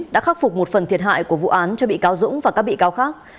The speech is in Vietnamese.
đã khắc phục một phần thiệt hại của vụ án cho bị cáo dũng và các bị cáo khác